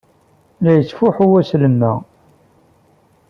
La yettfuḥu weslem-a.